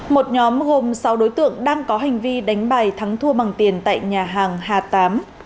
một nhóm gồm sáu đối tượng đang có hành vi đánh bài thắng thua bằng tiền tại nhà hàng hà tám